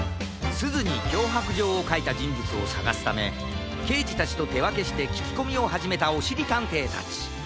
すずにきょうはくじょうをかいたじんぶつをさがすためけいじたちとてわけしてききこみをはじめたおしりたんていたち